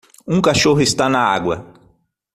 Um cachorro está na água.